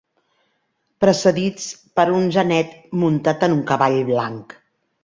Precedits per un genet muntat en un cavall blanc.